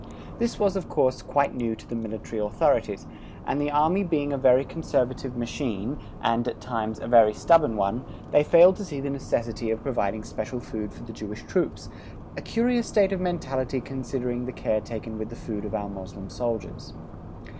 This was, of course, quite new to the Military authorities, and the Army being a very conservative machine, and, at times, a very stubborn one, they failed to see the necessity of providing special food for the Jewish troops a curious state of mentality considering the care taken with the food of our Moslem soldiers.